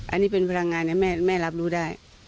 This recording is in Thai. อันนี้เป็นพลังงานให้แม่รับรู้ได้